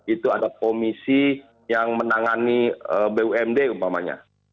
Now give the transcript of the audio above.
itu ada komisi yang menangani bumd umpamanya